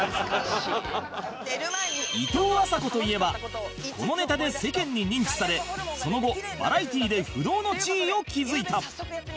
いとうあさこといえばこのネタで世間に認知されその後バラエティで不動の地位を築いた